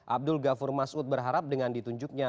abdul ghafur masud berharap dengan ditunjuknya